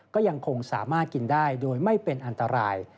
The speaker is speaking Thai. ก็ยังคงสามารถกินได้โดยไม่เป็นอันตราย